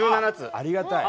ありがたい。